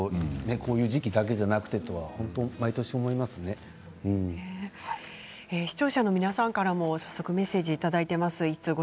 こういう時期だけでは皆さんからも、早速メッセージをいただいています。